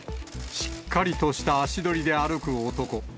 しっかりとした足取りで歩く男。